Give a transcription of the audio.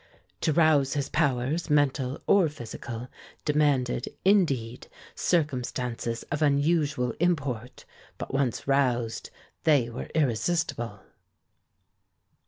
To rouse his powers, mental or physical, demanded, indeed, circumstances of unusual import, but once roused they were irresistible.